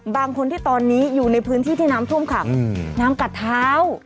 บางคนที่ตอนนี้อยู่ในพื้นที่ที่น้ำท่วมขังน้ำกัดเท้า